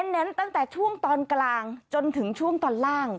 เน้นตั้งแต่ช่วงตอนกลางจนถึงช่วงตอนล่าง